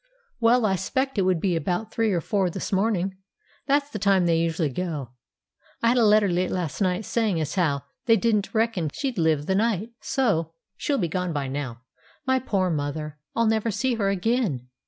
"Well, I 'spect it would be about three or four this morning; that's the time they usually go. I had a letter last night saying as how they didn't reckon she'd live the night. So she'll be gone by now. My poor mother! I'll never see her again!"